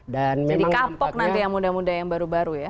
kapok nanti yang muda muda yang baru baru ya